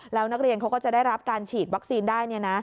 แล้วนักเรียนเขาก็จะได้รับการฉีดวัคซีนได้